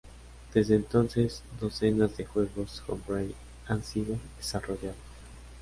Desde entonces docenas de juegos homebrew han sido desarrollados.